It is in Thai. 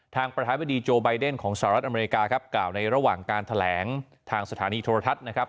ประธานบดีโจไบเดนของสหรัฐอเมริกาครับกล่าวในระหว่างการแถลงทางสถานีโทรทัศน์นะครับ